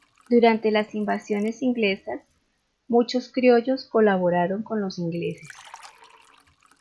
Durante las invasiones inglesas, muchos criollos colaboraron con los ingleses.